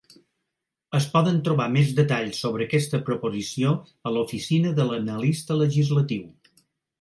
Es poden trobar més detalls sobre aquesta proposició a l'Oficina de l'Analista Legislatiu.